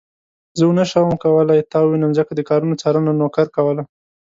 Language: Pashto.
زه ونه شوم کولای تا ووينم ځکه د کارونو څارنه نوکر کوله.